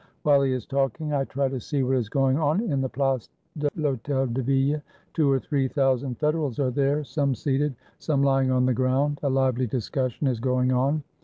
While he is talking, I try to see what is going on in the Place de I'Hotel de Ville. Two or three thousand Federals are there, some seated, some lying on the ground. A lively discussion is going on.